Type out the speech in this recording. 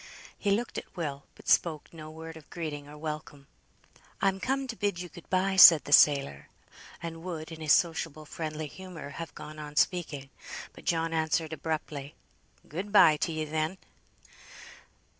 He looked at Will, but spoke no word of greeting or welcome. "I'm come to bid you good bye," said the sailor, and would in his sociable friendly humour have gone on speaking. But John answered abruptly, "Good bye to ye, then."